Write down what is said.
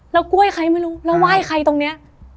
แล้วกล้วยใครไม่รู้แล้วไหว้ใครตรงนี้